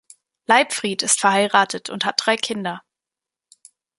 Leibfried ist verheiratet und hat drei Kinder.